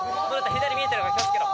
左見えてるから気を付けろ。